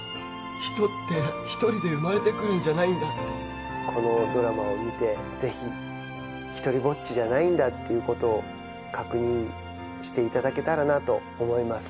人って一人で生まれてくるんじゃないんだってこのドラマを見てぜひひとりぼっちじゃないんだっていうことを確認していただけたらなと思います